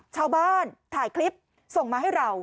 ชาวบ้านถ่ายคลิปส่งมาให้เรา